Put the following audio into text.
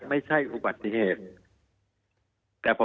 มีความรู้สึกว่ามีความรู้สึกว่า